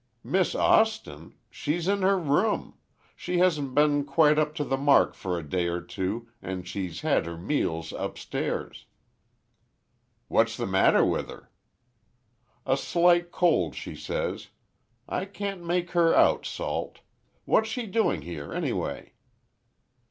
"Miss Austin? She's in her room. She hasn't been quite up to the mark for a day or two, and she's had her meals upstairs." "What's the matter with her?" "A slight cold, she says. I can't make her out, Salt. What's she doing here, anyway?"